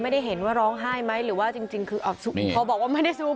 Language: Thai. ไม่ได้เห็นว่าร้องไห้ไหมหรือว่าจริงคือพอบอกว่าไม่ได้สู้